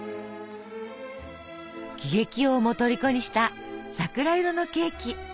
喜劇王もとりこにした桜色のケーキ。